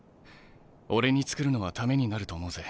俺に作るのはためになると思うぜ。